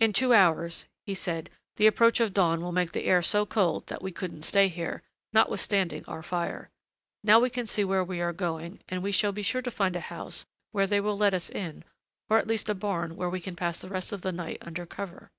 "In two hours," he said, "the approach of dawn will make the air so cold that we couldn't stay here, notwithstanding our fire. Now we can see where we are going, and we shall be sure to find a house where they will let us in, or at least a barn where we can pass the rest of the night under cover."